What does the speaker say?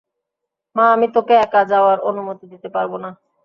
মা, আমি তোকে একা যাওয়ার অনুমতি দিতে পারবো না!